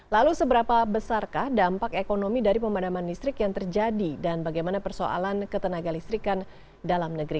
lalu seberapa besarkah dampak ekonomi dari pemadaman listrik yang terjadi dan bagaimana persoalan ketenaga listrikan dalam negeri